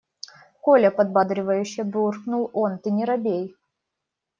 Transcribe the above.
– Коля, – подбадривающе буркнул он, – ты не робей.